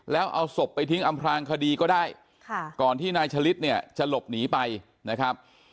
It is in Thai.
แล้วเอาศพไปทิ้งอำพลางคดีก็ได้ก่อนที่นายชะลิดเนี่ยจะหลบหนีไปนะครับ